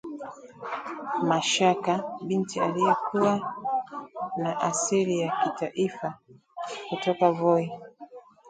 Mashaka, binti aliyekuwa na asili ya kitaita kutoka Voi